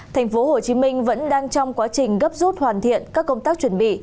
thành phố hồ chí minh vẫn đang trong quá trình gấp rút hoàn thiện các công tác chuẩn bị